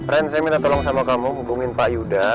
ren saya minta tolong sama kamu hubungin pak yuda